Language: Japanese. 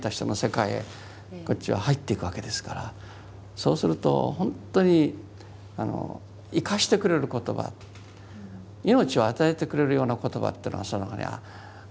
そうすると本当に生かしてくれる言葉命を与えてくれるような言葉っていうのはその中にあるように思いました。